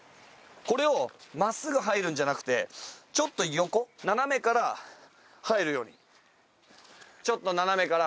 これを真っすぐ入るんじゃなくてちょっと横斜めから入るように。